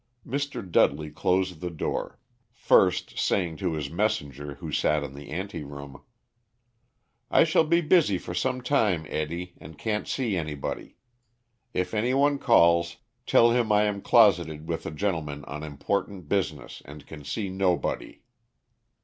Mr. Dudley closed the door, first saying to his messenger, who sat in the anteroom; "I shall be busy for some time, Eddie, and can't see anybody. If any one calls, tell him I am closeted with a gentleman on important business and can see nobody.